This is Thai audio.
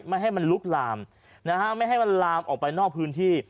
ไม่ให้มันลุกลามนะฮะไม่ให้มันลามออกไปนอกพื้นที่